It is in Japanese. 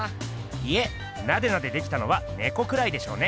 いえナデナデできたのはねこくらいでしょうね。